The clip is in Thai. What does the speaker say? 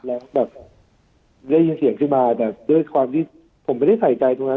แล้วแบบได้ยินเสียงขึ้นมาแต่ด้วยความที่ผมไม่ได้ใส่ใจตรงนั้น